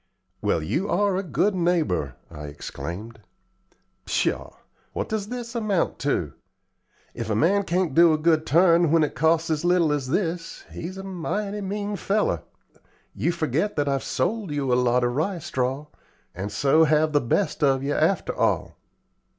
"Well, you are a good neighbor!" I exclaimed. "Pshaw! What does this amount to? If a man can't do a good turn when it costs as little as this, he's a mighty mean feller. You forget that I've sold you a lot of rye straw, and so have the best of yer after all."